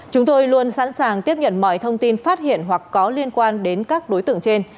chúng tôi luôn sẵn sàng tiếp nhận mọi thông tin phát hiện hoặc có liên quan đến các đối tượng trên